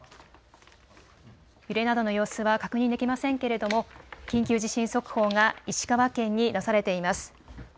揺れなどの様子は確認できませんけれども緊急地震速報が石川県に出されています。